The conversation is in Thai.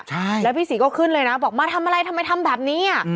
ใช่แล้วพี่ศรีก็ขึ้นเลยนะบอกมาทำอะไรทำไมทำแบบนี้